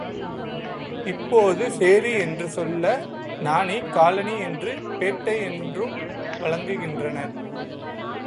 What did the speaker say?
இப்போது சேரி என்று சொல்ல நாணி, காலணி என்றும் பேட்டை என்றும் வழங்குகின்றனர்.